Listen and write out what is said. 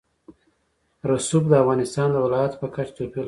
رسوب د افغانستان د ولایاتو په کچه توپیر لري.